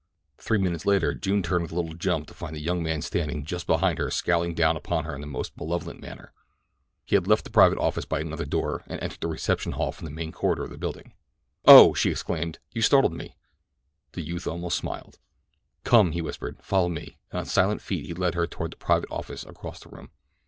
Three minutes later June turned with a little jump to find the young man standing just behind her scowling down upon her in the most malevolent manner. He had left the private office by another door and entered the reception hall from the main corridor of the building. "Oh!" she exclaimed; "you startled me." The youth almost smiled. "Come!" he whispered. "Follow me," and on silent feet he led her toward the private office across the room.